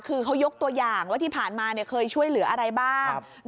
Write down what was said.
คือเขายกตัวอย่างว่าที่ผ่านมาเคยช่วยเหลืออะไรบ้าง